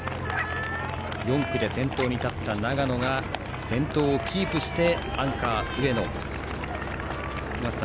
４区で先頭に立った長野が先頭をキープしてアンカー、上野へ。